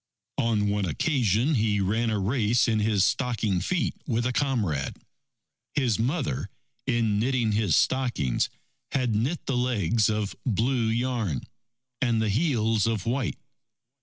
On one occasion, he ran a race in his stocking feet with a comrade. His mother, in knitting his stockings, had knit the legs of blue yarn and the heels of white.